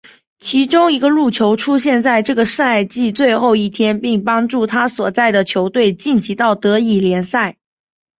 其中一个入球出现在这个赛季的最后一天并帮助他所在的球队晋级到德乙联赛。